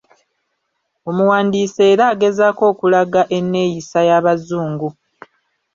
Omuwandiisi era agezaako okulaga enneeyisa y'abazungu.